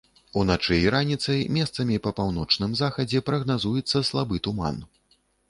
Уначы і раніцай месцамі па паўночным захадзе прагназуецца слабы туман.